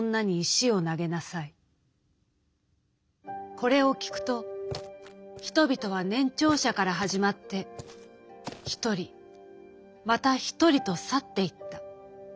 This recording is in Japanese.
「これを聞くと人々は年長者から始まって一人また一人と去っていった。